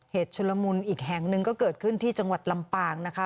ชุลมุนอีกแห่งหนึ่งก็เกิดขึ้นที่จังหวัดลำปางนะคะ